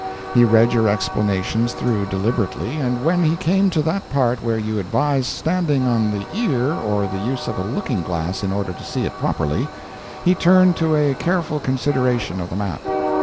He read your explanations through deliberately, and when he came to that part where you advised standing on the ear or the use of a looking glass in order to see it properly, he turned to a careful consideration of the map.